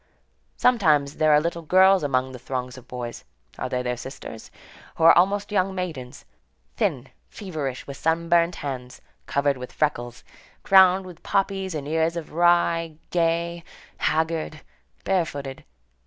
Sometimes there are little girls among the throng of boys,—are they their sisters?—who are almost young maidens, thin, feverish, with sunburnt hands, covered with freckles, crowned with poppies and ears of rye, gay, haggard, barefooted.